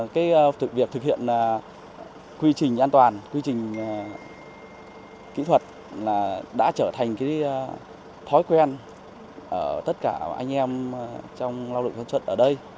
cái việc thực hiện quy trình an toàn quy trình kỹ thuật đã trở thành cái thói quen ở tất cả anh em trong lao động sản xuất ở đây